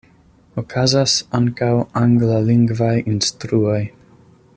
Okazas ankaŭ anglalingvaj instruoj.